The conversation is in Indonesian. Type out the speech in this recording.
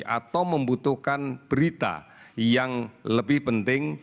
atau membutuhkan berita yang lebih penting